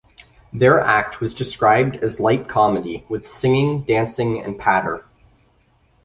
Their act was described as light comedy, with singing, dancing, and patter.